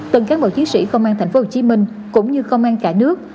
từng cán bộ chiến sĩ công an tp hcm cũng như công an cả nước